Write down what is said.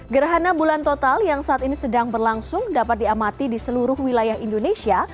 gerhana bulan total yang saat ini sedang berlangsung dapat diamati di seluruh wilayah indonesia